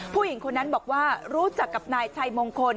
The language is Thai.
ผู้หญิงคนนั้นบอกว่ารู้จักกับนายชัยมงคล